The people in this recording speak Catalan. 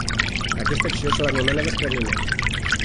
A aquesta acció se l'anomena despreniment.